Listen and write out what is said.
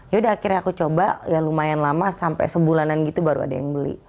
yaudah akhirnya aku coba ya lumayan lama sampai sebulanan gitu baru ada yang beli